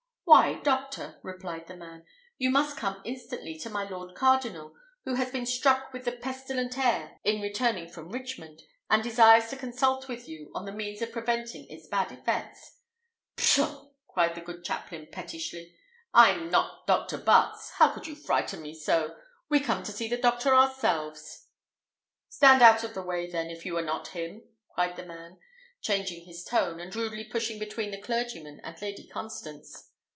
"Why, doctor," replied the man, "you must come instantly to my lord cardinal, who has been struck with the pestilent air in returning from Richmond, and desires to consult with you on the means of preventing its bad effects." "Pshaw!" cried the good chaplain, pettishly; "I'm not Dr. Butts! How could you frighten me so? We come to see the doctor ourselves." "Stand out of the way, then, if you are not him," cried the man, changing his tone, and rudely pushing between the clergyman and Lady Constance.